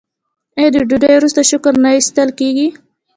آیا د ډوډۍ وروسته شکر نه ایستل کیږي؟